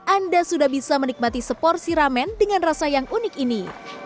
anda sudah bisa menikmati seporsi ramen dengan rasa yang unik ini